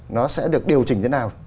nó sẽ được điều chỉnh thế nào